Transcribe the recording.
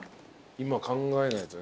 今考えないと。